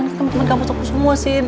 ini temen temen kampus aku semua sin